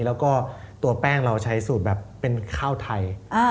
แล้วก็ตัวแป้งเราใช้สูตรแบบเป็นข้าวไทย